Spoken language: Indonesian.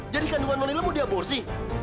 jadi kandungan nonila mau diaborsi